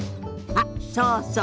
あっそうそう。